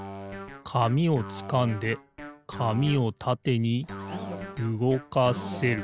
紙をつかんで紙をたてにうごかせる。